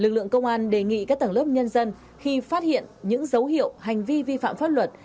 lực lượng công an đề nghị các tầng lớp nhân dân khi phát hiện những dấu hiệu hành vi vi phạm pháp luật